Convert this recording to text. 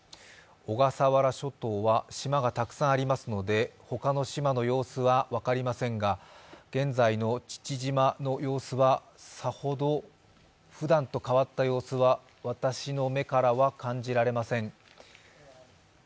小笠原諸島は島がたくさんありますのでほかの島の様子は分かりませんが、現在の父島の様子は、さほどふだんと変わった様子は私の目からは感じられません。